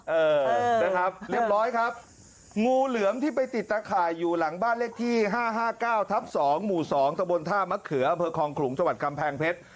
เออนะครับเรียบร้อยครับงูเหลือมที่ไปติดตะข่ายอยู่หลังบ้านเลขที่๕๕๙ทับ๒หมู่๒ตะบนท่ามะเขืออำเภอคลองขลุงจังหวัดกำแพงเพชร